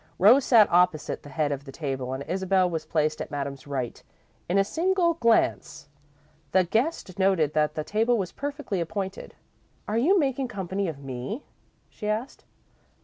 Rose sat opposite the head of the table and Isabel was placed at Madame's right. In a single glance, the guest noted that the table was perfectly appointed. "Are you making company of me?" she asked.